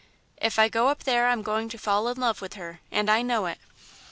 "If I go up there I'm going to fall in love with her, and I know it!"